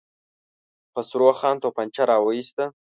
خسرو خان توپانچه را وايسته.